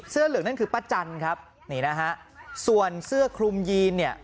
เหลืองนั่นคือป้าจันครับนี่นะฮะส่วนเสื้อคลุมยีนเนี่ย